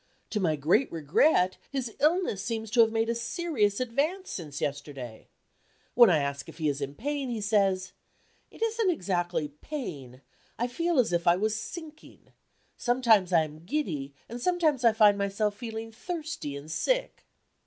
To my great regret, his illness seems to have made a serious advance since yesterday. When I ask if he is in pain, he says: "It isn't exactly pain; I feel as if I was sinking. Sometimes I am giddy; and sometimes I find myself feeling thirsty and sick."